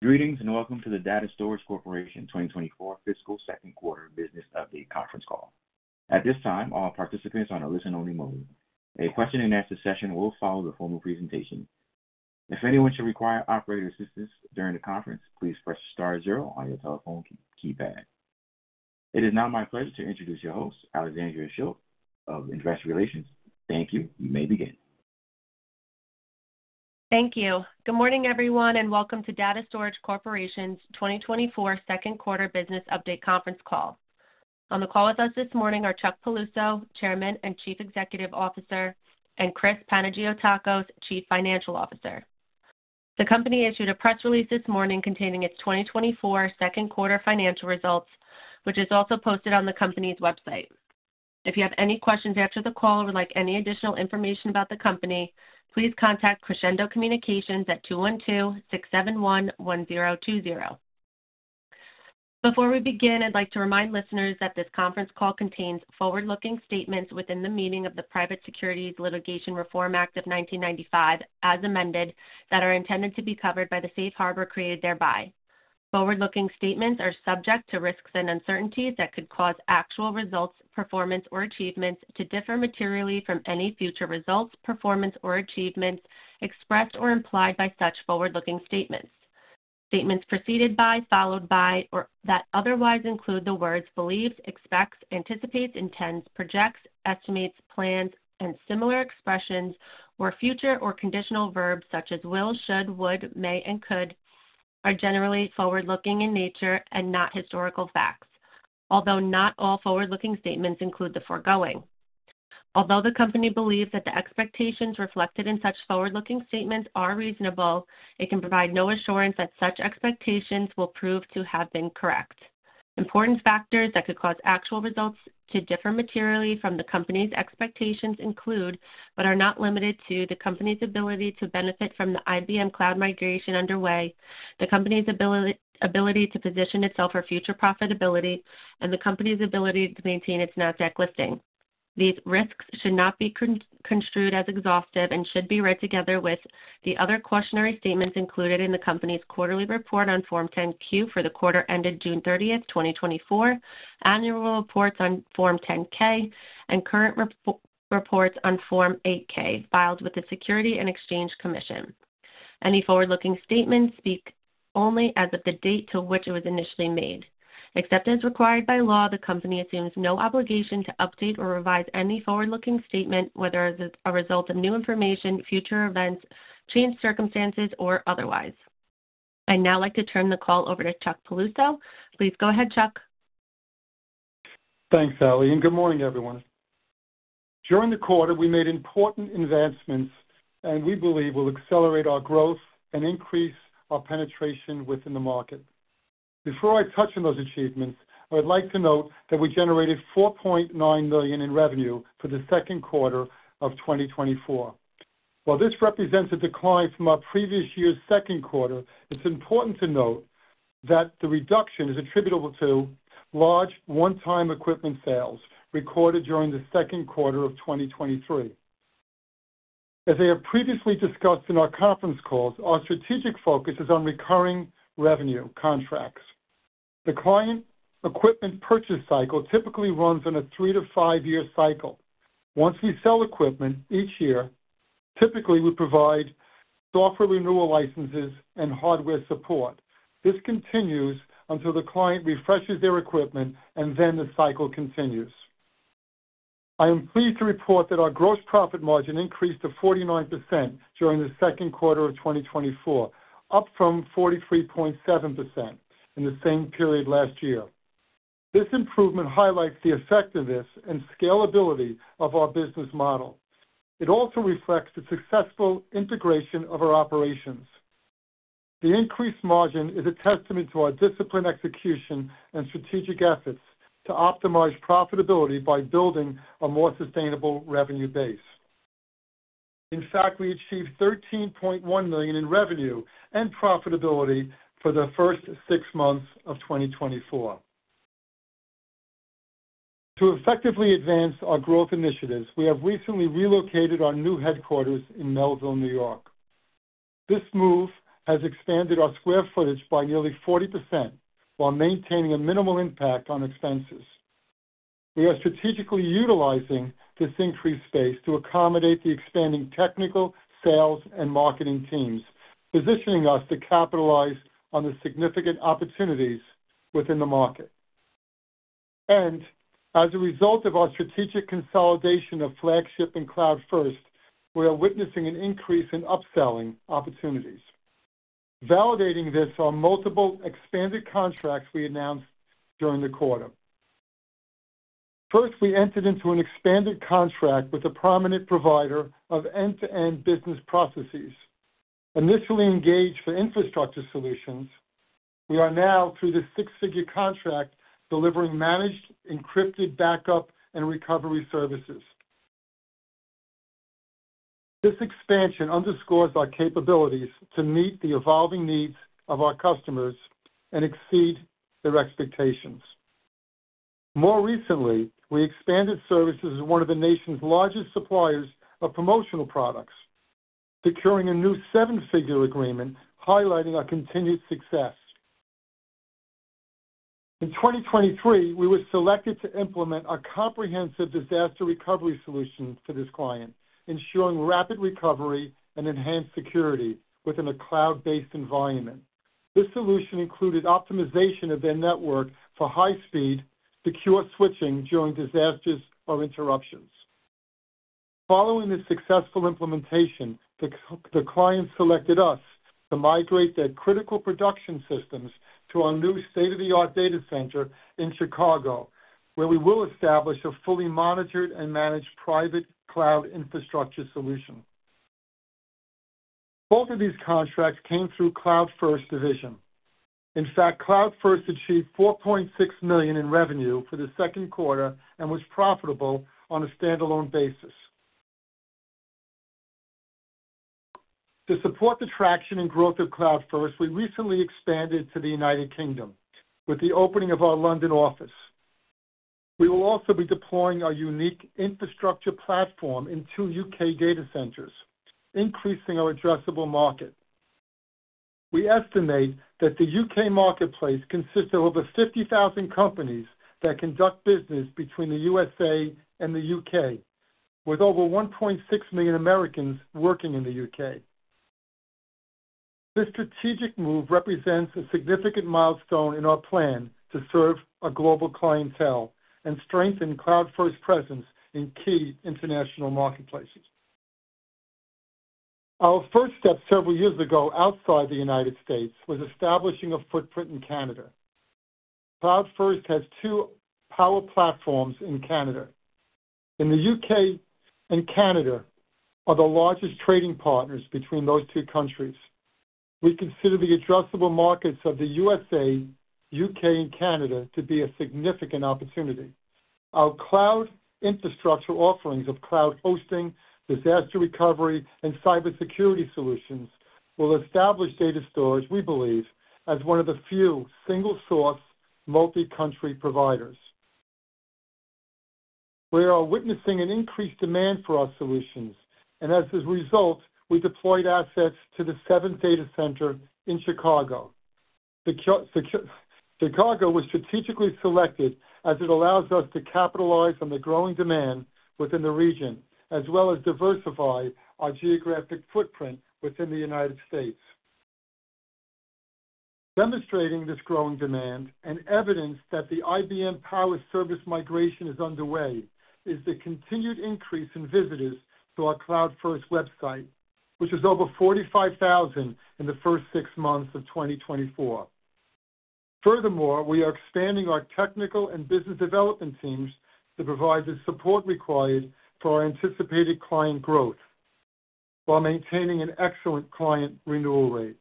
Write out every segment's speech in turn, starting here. Greetings, and welcome to the Data Storage Corporation 2024 Fiscal Second Quarter Business Update Conference Call. At this time, all participants are on a listen-only mode. A question and answer session will follow the formal presentation. If anyone should require operator assistance during the conference, please press star zero on your telephone key, keypad. It is now my pleasure to introduce your host, Alexandria Schultz of Investor Relations. Thank you. You may begin. Thank you. Good morning, everyone, and welcome to Data Storage Corporation's 2024 second quarter business update conference call. On the call with us this morning are Chuck Piluso, Chairman and Chief Executive Officer, and Chris Panagiotakos, Chief Financial Officer. The company issued a press release this morning containing its 2024 second quarter financial results, which is also posted on the company's website. If you have any questions after the call or would like any additional information about the company, please contact Crescendo Communications at 212-671-1020. Before we begin, I'd like to remind listeners that this conference call contains forward-looking statements within the meaning of the Private Securities Litigation Reform Act of 1995, as amended, that are intended to be covered by the safe harbor created thereby. Forward-looking statements are subject to risks and uncertainties that could cause actual results, performance, or achievements to differ materially from any future results, performance, or achievements expressed or implied by such forward-looking statements. Statements preceded by, followed by, or that otherwise include the words believes, expects, anticipates, intends, projects, estimates, plans, and similar expressions, or future or conditional verbs such as will, should, would, may, and could, are generally forward-looking in nature and not historical facts, although not all forward-looking statements include the foregoing. Although the company believes that the expectations reflected in such forward-looking statements are reasonable, it can provide no assurance that such expectations will prove to have been correct. Important factors that could cause actual results to differ materially from the company's expectations include, but are not limited to, the company's ability to benefit from the IBM cloud migration underway, the company's ability to position itself for future profitability, and the company's ability to maintain its Nasdaq listing. These risks should not be construed as exhaustive and should be read together with the other cautionary statements included in the company's quarterly report on Form 10-Q for the quarter ended June 30, 2024, annual reports on Form 10-K, and current reports on Form 8-K, filed with the Securities and Exchange Commission. Any forward-looking statements speak only as of the date to which it was initially made. Except as required by law, the company assumes no obligation to update or revise any forward-looking statement, whether as a result of new information, future events, changed circumstances, or otherwise. I'd now like to turn the call over to Chuck Piluso. Please go ahead, Chuck. Thanks, Allie, and good morning, everyone. During the quarter, we made important advancements, and we believe will accelerate our growth and increase our penetration within the market. Before I touch on those achievements, I'd like to note that we generated $4.9 million in revenue for the second quarter of 2024. While this represents a decline from our previous year's second quarter, it's important to note that the reduction is attributable to large one-time equipment sales recorded during the second quarter of 2023. As I have previously discussed in our conference calls, our strategic focus is on recurring revenue contracts. The client equipment purchase cycle typically runs on a three to five year cycle. Once we sell equipment each year, typically, we provide software renewal licenses and hardware support. This continues until the client refreshes their equipment, and then the cycle continues. I am pleased to report that our gross profit margin increased to 49% during the second quarter of 2024, up from 43.7% in the same period last year. This improvement highlights the effectiveness and scalability of our business model. It also reflects the successful integration of our operations. The increased margin is a testament to our disciplined execution and strategic efforts to optimize profitability by building a more sustainable revenue base. In fact, we achieved $13.1 million in revenue and profitability for the first six months of 2024. To effectively advance our growth initiatives, we have recently relocated our new headquarters in Melville, New York. This move has expanded our square footage by nearly 40% while maintaining a minimal impact on expenses. We are strategically utilizing this increased space to accommodate the expanding technical, sales, and marketing teams, positioning us to capitalize on the significant opportunities within the market. As a result of our strategic consolidation of Flagship and CloudFirst, we are witnessing an increase in upselling opportunities. Validating this are multiple expanded contracts we announced during the quarter. First, we entered into an expanded contract with a prominent provider of end-to-end business processes. Initially engaged for infrastructure solutions, we are now, through this six-figure contract, delivering managed, encrypted backup, and recovery services. This expansion underscores our capabilities to meet the evolving needs of our customers and exceed their expectations... More recently, we expanded services as one of the nation's largest suppliers of promotional products, securing a new seven-figure agreement, highlighting our continued success. In 2023, we were selected to implement a comprehensive disaster recovery solution for this client, ensuring rapid recovery and enhanced security within a cloud-based environment. This solution included optimization of their network for high speed, secure switching during disasters or interruptions. Following this successful implementation, the client selected us to migrate their critical production systems to our new state-of-the-art data center in Chicago, where we will establish a fully monitored and managed private cloud infrastructure solution. Both of these contracts came through CloudFirst division. In fact, CloudFirst achieved $4.6 million in revenue for the second quarter and was profitable on a standalone basis. To support the traction and growth of CloudFirst, we recently expanded to the United Kingdom with the opening of our London office. We will also be deploying our unique infrastructure platform in two U.K. data centers, increasing our addressable market. We estimate that the U.K. marketplace consists of over 50,000 companies that conduct business between the USA and the U.K., with over 1.6 million Americans working in the U.K. This strategic move represents a significant milestone in our plan to serve a global clientele and strengthen CloudFirst presence in key international marketplaces. Our first step several years ago outside the United States, was establishing a footprint in Canada. CloudFirst has two Power Platforms in Canada, and the U.K. and Canada are the largest trading partners between those two countries. We consider the addressable markets of the USA, U.K., and Canada to be a significant opportunity. Our cloud infrastructure offerings of cloud hosting, disaster recovery, and cybersecurity solutions will establish Data Storage, we believe, as one of the few single-source, multi-country providers. We are witnessing an increased demand for our solutions, and as a result, we deployed assets to the seventh data center in Chicago. Chicago was strategically selected as it allows us to capitalize on the growing demand within the region, as well as diversify our geographic footprint within the United States. Demonstrating this growing demand and evidence that the IBM Power service migration is underway, is the continued increase in visitors to our CloudFirst website, which is over 45,000 in the first six months of 2024. Furthermore, we are expanding our technical and business development teams to provide the support required for our anticipated client growth, while maintaining an excellent client renewal rate.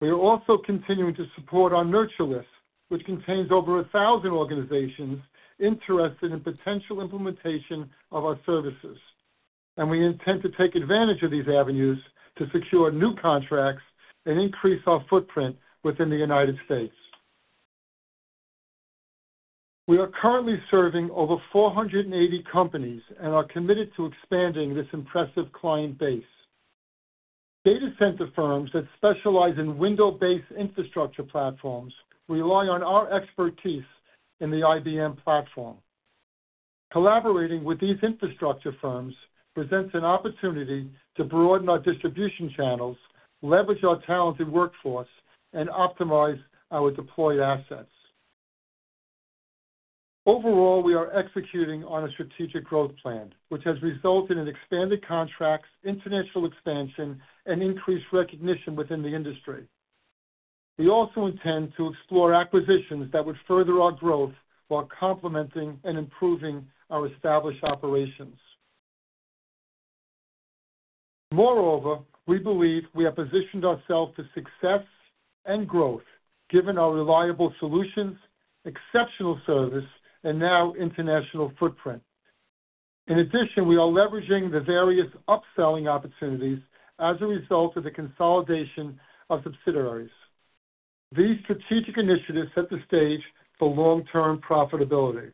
We are also continuing to support our nurture list, which contains over 1,000 organizations interested in potential implementation of our services, and we intend to take advantage of these avenues to secure new contracts and increase our footprint within the United States. We are currently serving over 480 companies and are committed to expanding this impressive client base. Data center firms that specialize in Windows-based infrastructure platforms rely on our expertise in the IBM platform. Collaborating with these infrastructure firms presents an opportunity to broaden our distribution channels, leverage our talented workforce, and optimize our deployed assets. Overall, we are executing on a strategic growth plan, which has resulted in expanded contracts, international expansion, and increased recognition within the industry. We also intend to explore acquisitions that would further our growth while complementing and improving our established operations. Moreover, we believe we have positioned ourselves to success and growth given our reliable solutions, exceptional service, and now international footprint. In addition, we are leveraging the various upselling opportunities as a result of the consolidation of subsidiaries. These strategic initiatives set the stage for long-term profitability.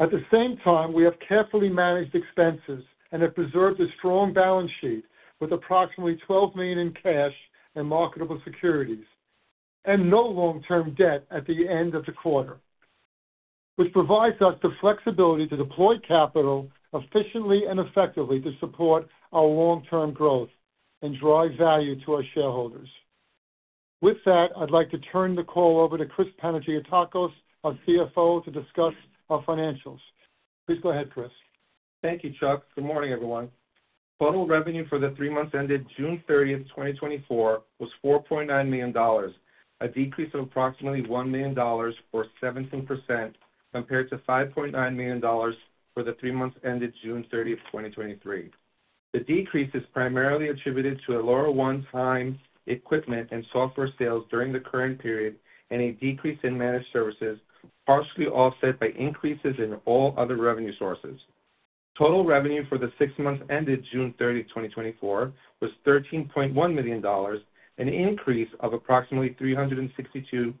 At the same time, we have carefully managed expenses and have preserved a strong balance sheet with approximately $12 million in cash and marketable securities, and no long-term debt at the end of the quarter, which provides us the flexibility to deploy capital efficiently and effectively to support our long-term growth and drive value to our shareholders. With that, I'd like to turn the call over to Chris Panagiotakos, our CFO, to discuss our financials. Please go ahead, Chris. Thank you, Chuck. Good morning, everyone. Total revenue for the three months ended June 30, 2024, was $4.9 million, a decrease of approximately $1 million or 17% compared to $5.9 million for the three months ended June 30, 2023. The decrease is primarily attributed to a lower one-time equipment and software sales during the current period, and a decrease in managed services, partially offset by increases in all other revenue sources.... Total revenue for the six months ended June 30, 2024, was $13.1 million, an increase of approximately $362,000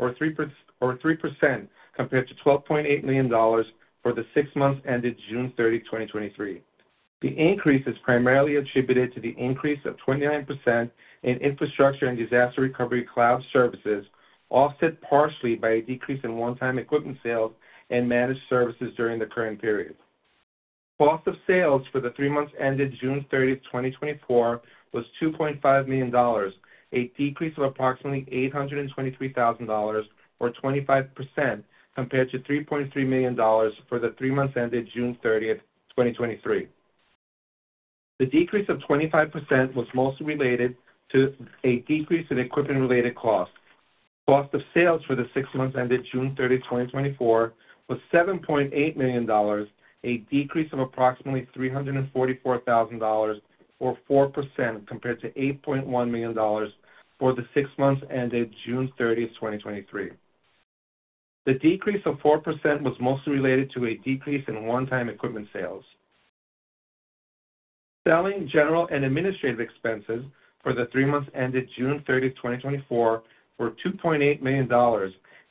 or 3% compared to $12.8 million for the six months ended June 30, 2023. The increase is primarily attributed to the increase of 29% in infrastructure and disaster recovery cloud services, offset partially by a decrease in one-time equipment sales and managed services during the current period. Cost of sales for the three months ended June thirtieth, 2024, was $2.5 million, a decrease of approximately $823,000, or 25%, compared to $3.3 million for the three months ended June thirtieth, 2023. The decrease of 25% was mostly related to a decrease in equipment-related costs. Cost of sales for the six months ended June thirtieth, 2024, was $7.8 million, a decrease of approximately $344,000, or 4%, compared to $8.1 million for the six months ended June thirtieth, 2023. The decrease of 4% was mostly related to a decrease in one-time equipment sales. Selling, general, and administrative expenses for the three months ended June 30, 2024, were $2.8 million,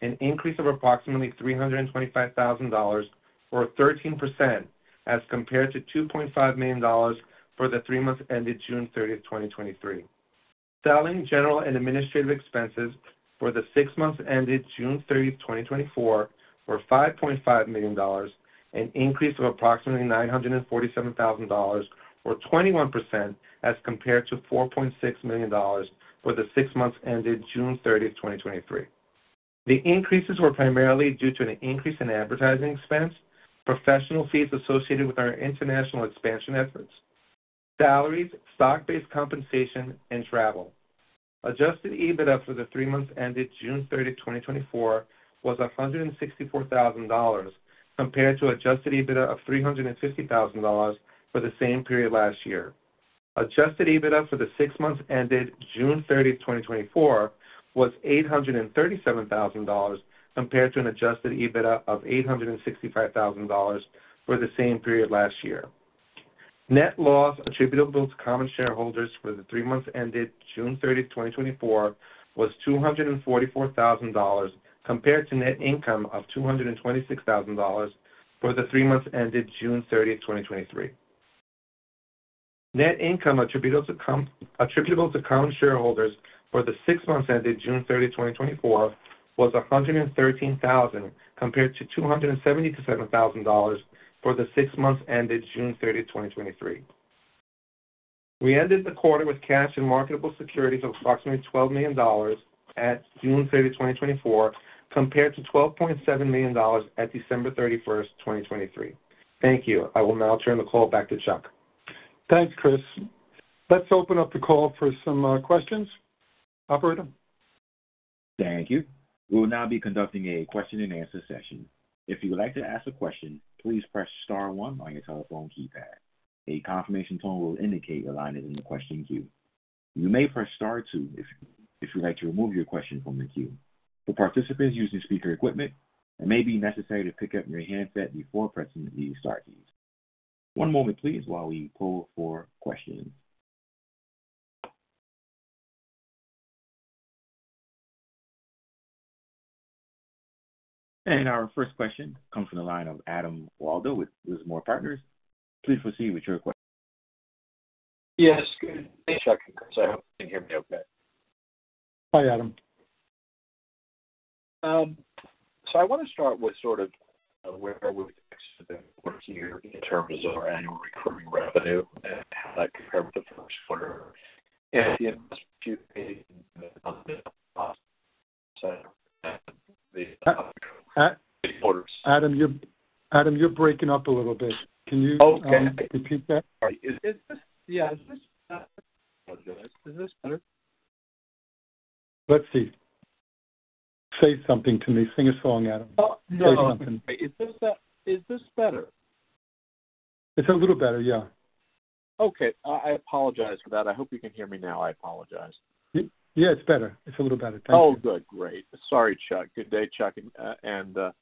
an increase of approximately $325,000, or 13%, as compared to $2.5 million for the three months ended June 30, 2023. Selling, general, and administrative expenses for the six months ended June 30, 2024, were $5.5 million, an increase of approximately $947,000, or 21%, as compared to $4.6 million for the six months ended June 30, 2023. The increases were primarily due to an increase in advertising expense, professional fees associated with our international expansion efforts, salaries, stock-based compensation, and travel. Adjusted EBITDA for the three months ended June 30, 2024, was $164,000 compared to adjusted EBITDA of $350,000 for the same period last year. Adjusted EBITDA for the six months ended June 30, 2024, was $837,000 compared to an adjusted EBITDA of $865,000 for the same period last year. Net loss attributable to common shareholders for the three months ended June 30, 2024, was $244,000 compared to net income of $226,000 for the three months ended June 30, 2023. Net income attributable to common shareholders for the six months ended June 30, 2024, was $113,000, compared to $277,000 for the six months ended June 30, 2023. We ended the quarter with cash and marketable securities of approximately $12 million at June 30, 2024, compared to $12.7 million at December 31, 2023. Thank you. I will now turn the call back to Chuck. Thanks, Chris. Let's open up the call for some questions. Operator? Thank you. We will now be conducting a question-and-answer session. If you would like to ask a question, please press star one on your telephone keypad. A confirmation tone will indicate your line is in the question queue. You may press star two if you'd like to remove your question from the queue. For participants using speaker equipment, it may be necessary to pick up your handset before pressing the star keys. One moment please while we pull for questions. And our first question comes from the line of Adam Waldo with MoffettNathanson Partners. Please proceed with your question. Yes, hey, Chuck and Chris, I hope you can hear me okay. Hi, Adam. So I wanna start with sort of where we were expecting to be for the year in terms of our annual recurring revenue and how that compared with the first quarter. And if you Adam, you're breaking up a little bit. Can you- Okay. repeat that? All right. Is this... Yeah, is this better? Let's see. Say something to me. Sing a song, Adam. Oh, no. Say something. Is this, is this better? It's a little better, yeah. Okay. I, I apologize for that. I hope you can hear me now. I apologize. Yeah, it's better. It's a little better. Thank you. Oh, good. Great. Sorry, Chuck. Good day, Chuck, and Chris.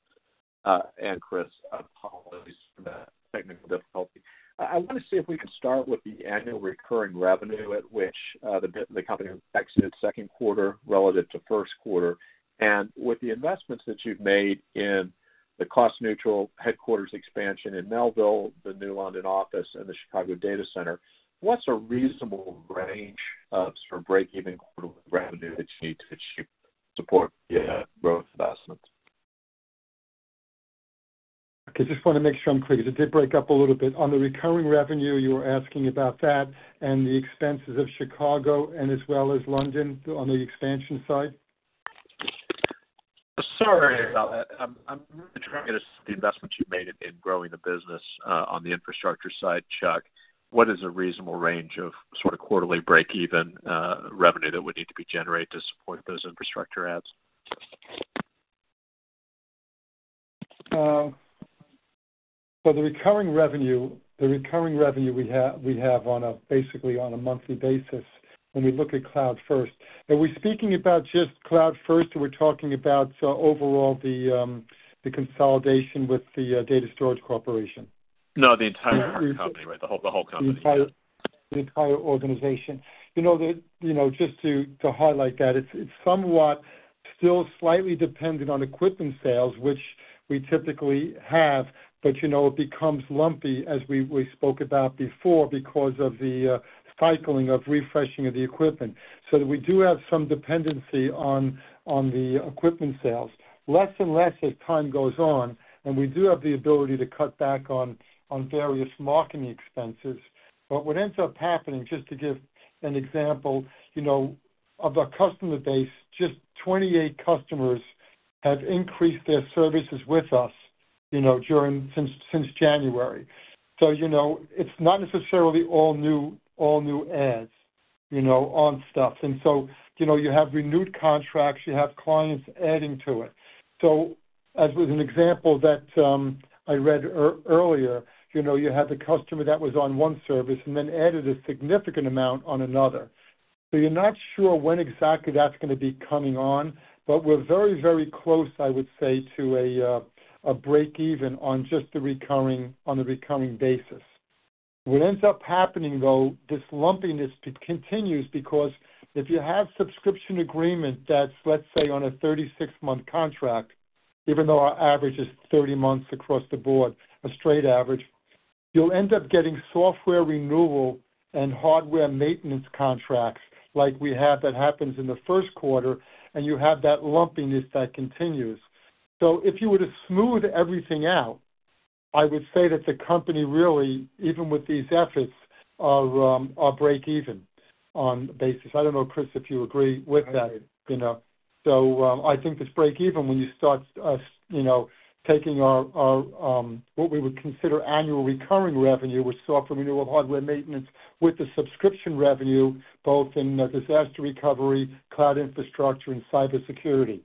Apologies for the technical difficulty. I wanna see if we can start with the annual recurring revenue at which the company exited second quarter relative to first quarter. And with the investments that you've made in the cost-neutral headquarters expansion in Melville, the new London office, and the Chicago data center, what's a reasonable range of sort of break-even quarterly revenue that you need to achieve to support your growth investments? I just wanna make sure I'm clear, because it did break up a little bit. On the recurring revenue, you were asking about that and the expenses of Chicago and as well as London on the expansion side? Sorry about that. I'm trying to see the investments you've made in growing the business on the infrastructure side, Chuck. What is a reasonable range of sort of quarterly break-even revenue that would need to be generated to support those infrastructure adds? For the recurring revenue, the recurring revenue we have, we have on a, basically on a monthly basis, when we look at CloudFirst. Are we speaking about just CloudFirst, or we're talking about sort of overall the, the consolidation with the, data storage corporation? No, the entire company, right? The whole, the whole company.... the entire organization. You know, the, you know, just to, to highlight that, it's, it's somewhat still slightly dependent on equipment sales, which we typically have, but, you know, it becomes lumpy, as we, we spoke about before, because of the cycling of refreshing of the equipment. So we do have some dependency on, on the equipment sales. Less and less as time goes on, and we do have the ability to cut back on, on various marketing expenses. But what ends up happening, just to give an example, you know, of our customer base, just 28 customers have increased their services with us, you know, during, since, since January. So, you know, it's not necessarily all new, all new ads, you know, on stuff. And so, you know, you have renewed contracts, you have clients adding to it. So as with an example that, I read earlier, you know, you had the customer that was on one service and then added a significant amount on another. So you're not sure when exactly that's gonna be coming on, but we're very, very close, I would say, to a break even on just the recurring, on the recurring basis. What ends up happening, though, this lumpiness continues because if you have subscription agreement, that's, let's say, on a 36-month contract, even though our average is 30 months across the board, a straight average, you'll end up getting software renewal and hardware maintenance contracts like we had that happens in the first quarter, and you have that lumpiness that continues. So if you were to smooth everything out, I would say that the company really, even with these efforts, are break even on basis. I don't know, Chris, if you agree with that, you know? So, I think it's break even when you start, you know, taking our what we would consider annual recurring revenue with software renewal, hardware maintenance, with the subscription revenue, both in disaster recovery, cloud infrastructure, and cybersecurity.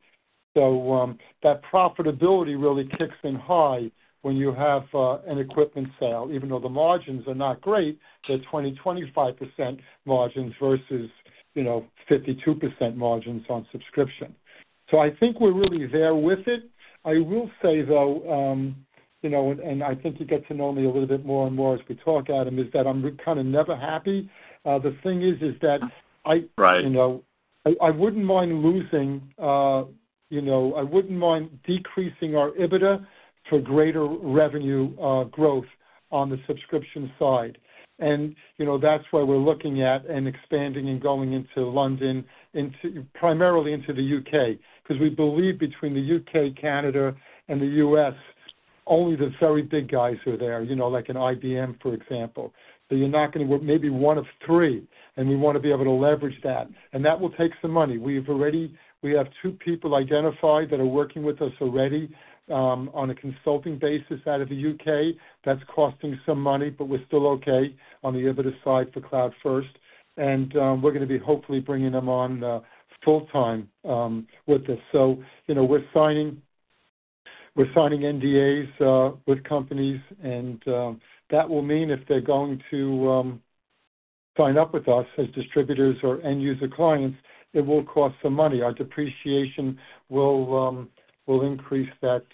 So, that profitability really kicks in high when you have an equipment sale, even though the margins are not great, they're 20-25% margins versus, you know, 52% margins on subscription. So I think we're really there with it. I will say, though, you know, and I think you get to know me a little bit more and more as we talk, Adam, is that I'm kind of never happy. The thing is, is that I- Right. You know, I wouldn't mind losing, you know, I wouldn't mind decreasing our EBITDA for greater revenue growth on the subscription side. And, you know, that's why we're looking at and expanding and going into London, into... Primarily into the U.K., because we believe between the U.K., Canada, and the U.S., only the very big guys are there, you know, like an IBM, for example. So you're not gonna work maybe one of three, and we wanna be able to leverage that. And that will take some money. We've already. We have two people identified that are working with us already on a consulting basis out of the U.K. That's costing some money, but we're still okay on the EBITDA side for CloudFirst, and we're gonna be hopefully bringing them on full-time with us. So, you know, we're signing, we're signing NDAs with companies, and that will mean if they're going to sign up with us as distributors or end user clients, it will cost some money. Our depreciation will will increase that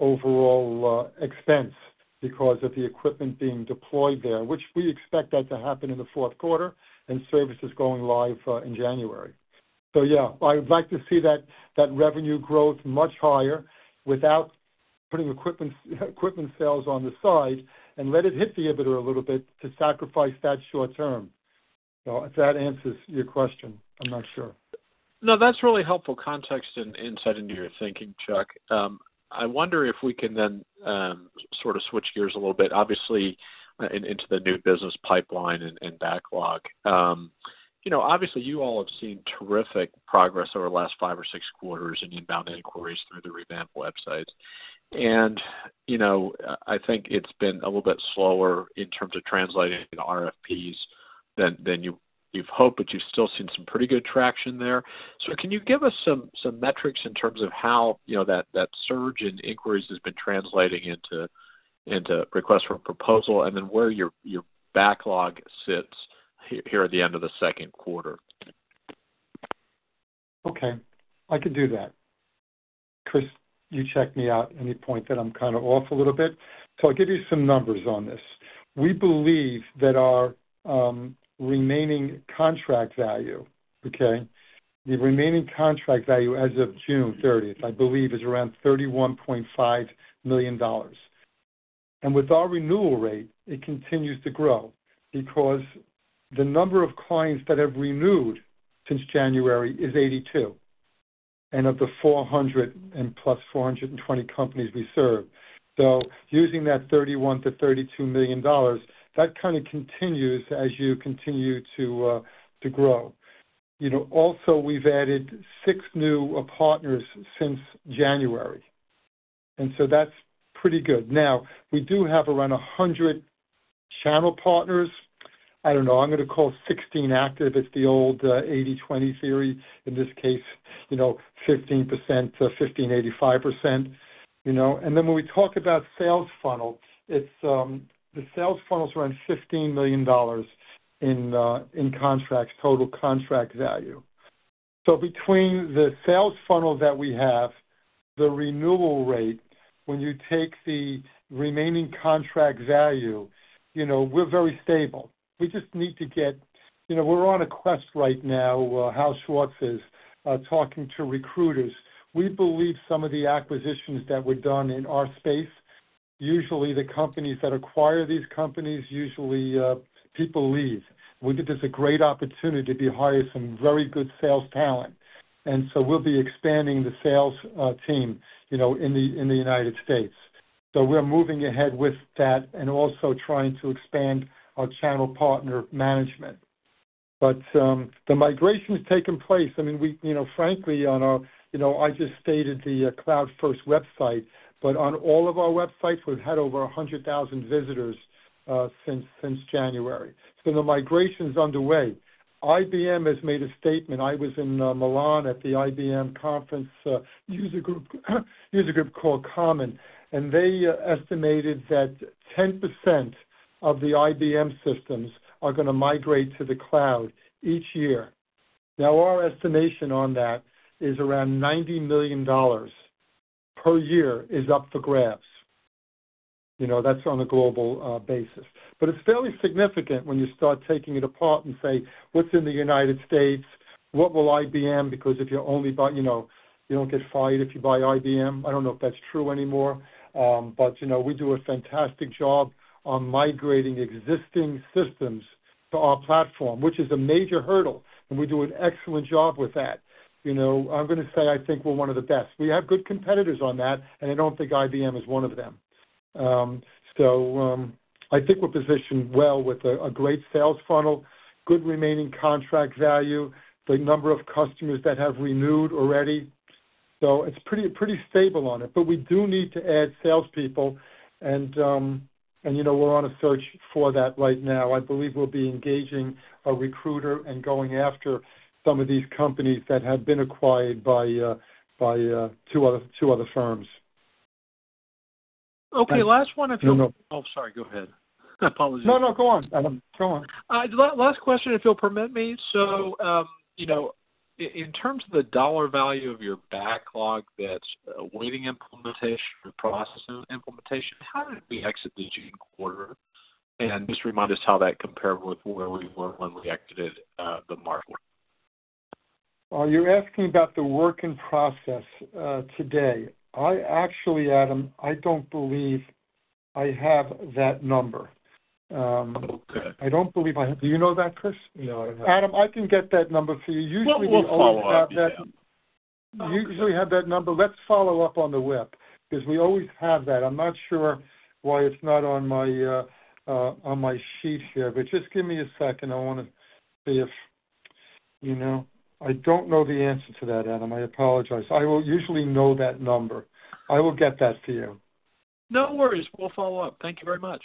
overall expense because of the equipment being deployed there, which we expect that to happen in the fourth quarter and services going live in January. So, yeah, I would like to see that that revenue growth much higher without putting equipment equipment sales on the side and let it hit the EBITDA a little bit to sacrifice that short term. So if that answers your question, I'm not sure. No, that's really helpful context and insight into your thinking, Chuck. I wonder if we can then sort of switch gears a little bit, obviously, in into the new business pipeline and backlog. You know, obviously, you all have seen terrific progress over the last five or six quarters in inbound inquiries through the revamped websites. And, you know, I think it's been a little bit slower in terms of translating RFPs than you've hoped, but you've still seen some pretty good traction there. So can you give us some metrics in terms of how, you know, that surge in inquiries has been translating into requests for a proposal, and then where your backlog sits here at the end of the second quarter? Okay, I can do that. Chris, you check me out any point that I'm kind of off a little bit. So I'll give you some numbers on this. We believe that our remaining contract value, okay, the remaining contract value as of June 30th, I believe, is around $31.5 million. And with our renewal rate, it continues to grow because the number of clients that have renewed since January is 82, and of the 400 and +420 companies we serve. So using that $31 million-$32 million, that kind of continues as you continue to to grow. You know, also, we've added six new partners since January, and so that's pretty good. Now, we do have around 100 channel partners. I don't know, I'm gonna call 16 active. It's the old 80-20 theory. In this case, you know, 15% to 15, 85%, you know? And then when we talk about sales funnels, it's the sales funnels around $15 million in contracts, total contract value. So between the sales funnel that we have, the renewal rate, when you take the remaining contract value, you know, we're very stable. We just need to get. You know, we're on a quest right now, Hal Schwartz is talking to recruiters. We believe some of the acquisitions that were done in our space, usually the companies that acquire these companies, usually, people leave. We think this a great opportunity to hire some very good sales talent, and so we'll be expanding the sales team, you know, in the United States. So we're moving ahead with that and also trying to expand our channel partner management. But, the migration has taken place. I mean, we, you know, frankly, on our, you know, I just stated the CloudFirst website, but on all of our websites, we've had over 100,000 visitors since January. So the migration is underway. IBM has made a statement. I was in Milan at the IBM conference, user group called Common, and they estimated that 10% of the IBM systems are gonna migrate to the cloud each year. Now, our estimation on that is around $90 million per year is up for grabs. You know, that's on a global basis. But it's fairly significant when you start taking it apart and say, what's in the United States? What will IBM... Because if you're only buy, you know, you don't get fired if you buy IBM. I don't know if that's true anymore. But, you know, we do a fantastic job on migrating existing systems to our platform, which is a major hurdle, and we do an excellent job with that. You know, I'm gonna say I think we're one of the best. We have good competitors on that, and I don't think IBM is one of them. So, I think we're positioned well with a great sales funnel, good remaining contract value, the number of customers that have renewed already. So it's pretty, pretty stable on it. But we do need to add salespeople, and, and, you know, we're on a search for that right now. I believe we'll be engaging a recruiter and going after some of these companies that have been acquired by, by, two other, two other firms. Okay, last one, if you- No, no. Oh, sorry, go ahead. I apologize. No, no, go on, Adam. Go on. The last question, if you'll permit me. So, you know, in terms of the dollar value of your backlog that's awaiting implementation or processing implementation, how did we exit the June quarter? And just remind us how that compared with where we were when we exited, the March one. Are you asking about the work in process, today? I actually, Adam, I don't believe I have that number. Okay. I don't believe I have... Do you know that, Chris? No, I don't. Adam, I can get that number for you. Usually, we always have that- Well, we'll follow up, yeah. We usually have that number. Let's follow up on the web, 'cause we always have that. I'm not sure why it's not on my sheet here, but just give me a second. I wanna see if, you know... I don't know the answer to that, Adam. I apologize. I will usually know that number. I will get that to you. No worries. We'll follow up. Thank you very much.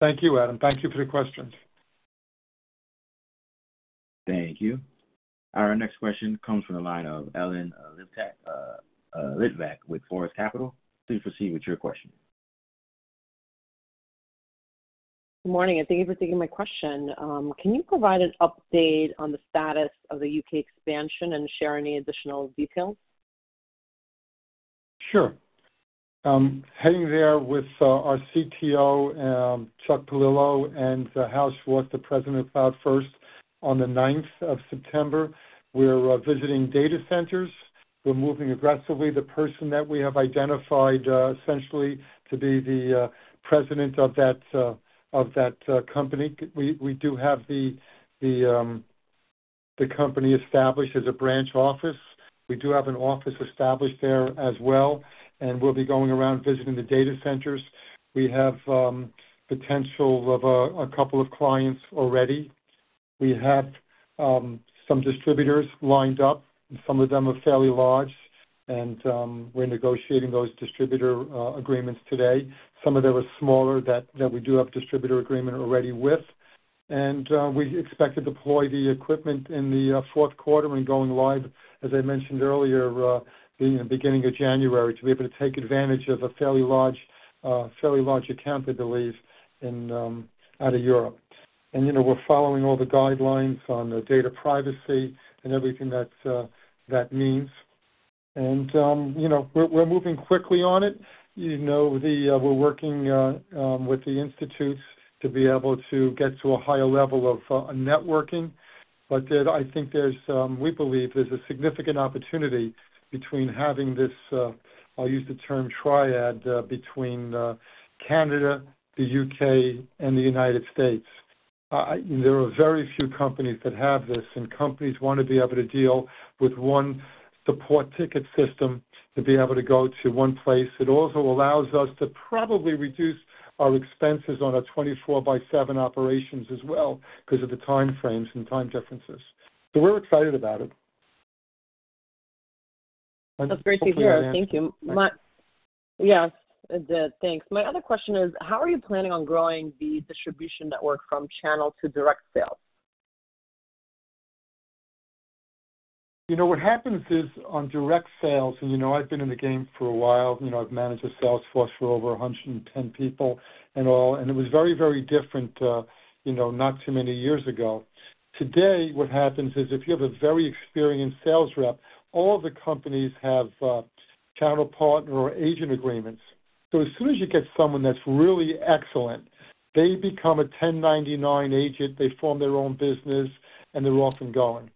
Thank you, Adam. Thank you for the question. Thank you. Our next question comes from the line of Ellen Litvak with Forest Capital. Please proceed with your question. Good morning, and thank you for taking my question. Can you provide an update on the status of the U.K. expansion and share any additional details? Sure. Heading there with our CTO, Chuck Paolillo, and Hal Schwartz, the President of CloudFirst, on the ninth of September. We're visiting data centers. We're moving aggressively. The person that we have identified essentially to be the president of that company. We do have the company established as a branch office. We do have an office established there as well, and we'll be going around visiting the data centers. We have potential of a couple of clients already. We have some distributors lined up, and some of them are fairly large, and we're negotiating those distributor agreements today. Some of them are smaller that we do have distributor agreement already with. We expect to deploy the equipment in the fourth quarter and going live, as I mentioned earlier, in the beginning of January, to be able to take advantage of a fairly large, fairly large account, I believe, out of Europe. You know, we're moving quickly on it. You know, we're working with the institutes to be able to get to a higher level of networking. But, I think we believe there's a significant opportunity between having this, I'll use the term triad, between Canada, the U.K., and the United States. There are very few companies that have this, and companies want to be able to deal with one support ticket system, to be able to go to one place. It also allows us to probably reduce our expenses on our 24 by seven operations as well, because of the time frames and time differences. So we're excited about it. That's great to hear. Hopefully I answered- Thank you. My... Yes, it did. Thanks. My other question is, how are you planning on growing the distribution network from channel to direct sales? ... You know, what happens is on direct sales, and, you know, I've been in the game for a while. You know, I've managed a sales force for over 110 people and all, and it was very, very different, you know, not too many years ago. Today, what happens is, if you have a very experienced sales rep, all the companies have channel partner or agent agreements. So as soon as you get someone that's really excellent, they become a 1099 agent. They form their own business, and they're off and going.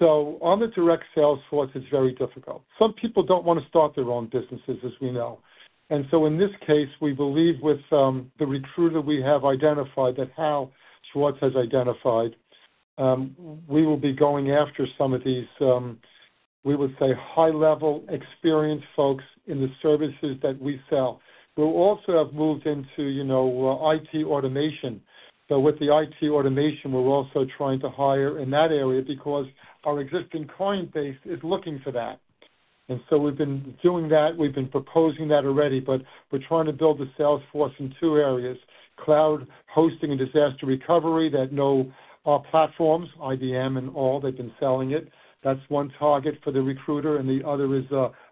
So on the direct sales force, it's very difficult. Some people don't want to start their own businesses, as we know. In this case, we believe with the recruiter we have identified, that Hal Schwartz has identified, we will be going after some of these, we would say, high-level, experienced folks in the services that we sell. We'll also have moved into, you know, IT automation. So with the IT automation, we're also trying to hire in that area because our existing client base is looking for that. And so we've been doing that. We've been proposing that already, but we're trying to build a sales force in two areas, cloud hosting and disaster recovery, that know our platforms, IBM and all, they've been selling it. That's one target for the recruiter, and the other is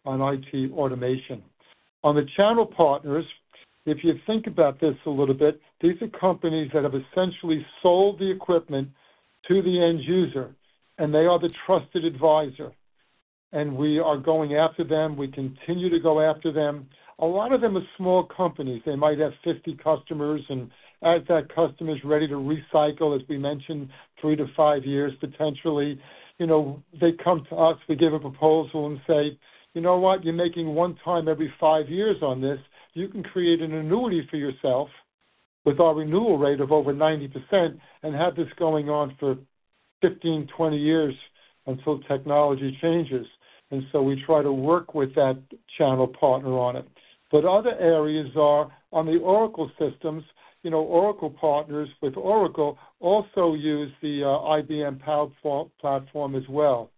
on IT automation. On the channel partners, if you think about this a little bit, these are companies that have essentially sold the equipment to the end user, and they are the trusted advisor, and we are going after them. We continue to go after them. A lot of them are small companies. They might have 50 customers, and as that customer is ready to recycle, as we mentioned, three-five years, potentially, you know, they come to us, we give a proposal and say, "You know what? You're making one time every five years on this. You can create an annuity for yourself with our renewal rate of over 90% and have this going on for 15-20 years until technology changes." And so we try to work with that channel partner on it. But other areas are on the Oracle systems. You know, Oracle partners with Oracle also use the IBM Power platform as well.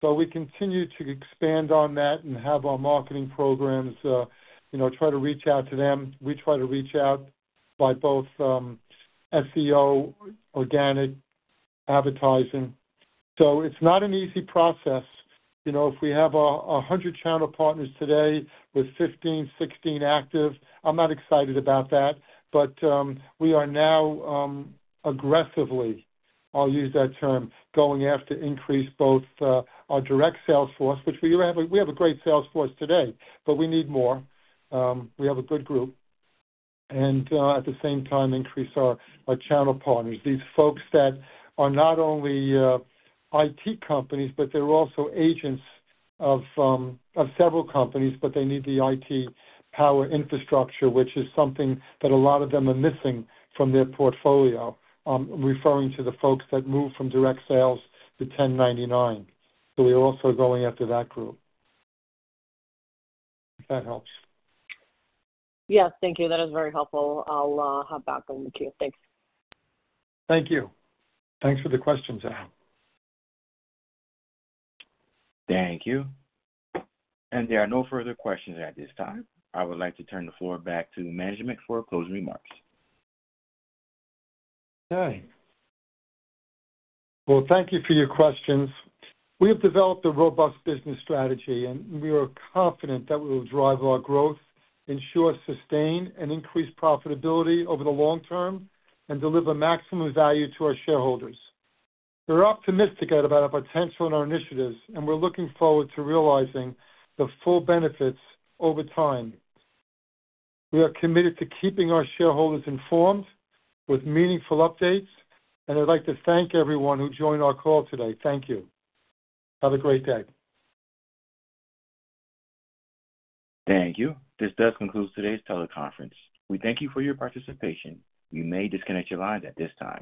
So we continue to expand on that and have our marketing programs, you know, try to reach out to them. We try to reach out by both SEO, organic advertising. So it's not an easy process. You know, if we have 100 channel partners today with 15, 16 active, I'm not excited about that. But we are now aggressively, I'll use that term, going after increase both our direct sales force, which we have a great sales force today, but we need more. We have a good group, and at the same time, increase our channel partners. These folks that are not only IT companies, but they're also agents of several companies, but they need the IT Power infrastructure, which is something that a lot of them are missing from their portfolio. Referring to the folks that move from direct sales to ten ninety-nine. So we're also going after that group. If that helps. Yes, thank you. That is very helpful. I'll hop back on with you. Thanks. Thank you. Thanks for the question, Zach. Thank you. There are no further questions at this time. I would like to turn the floor back to management for closing remarks. Okay. Well, thank you for your questions. We have developed a robust business strategy, and we are confident that we will drive our growth, ensure, sustain, and increase profitability over the long term, and deliver maximum value to our shareholders. We're optimistic about our potential and our initiatives, and we're looking forward to realizing the full benefits over time. We are committed to keeping our shareholders informed with meaningful updates, and I'd like to thank everyone who joined our call today. Thank you. Have a great day. Thank you. This does conclude today's teleconference. We thank you for your participation. You may disconnect your lines at this time.